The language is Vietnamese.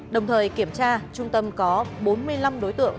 đồng thời kiểm tra trung tâm có bốn mươi năm đối tượng